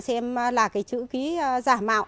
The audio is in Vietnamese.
xem là cái chữ ký giả mạo